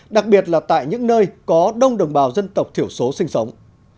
đặc biệt là tại những nơi có đông đồng bào dân tộc thiểu số sinh sống